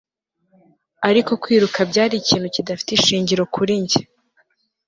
ariko kwiruka byari ikintu kidafite ishingiro kuri njye